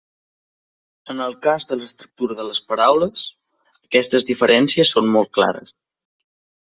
En el cas de l'estructura de les paraules, aquestes diferències són molt clares.